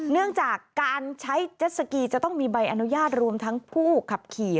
เนื่องจากการใช้เจ็ดสกีจะต้องมีใบอนุญาตรวมทั้งผู้ขับขี่